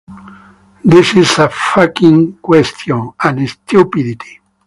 This is a fucking question, and it's stupidity.